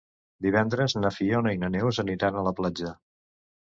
Divendres na Fiona i na Neus aniran a la platja.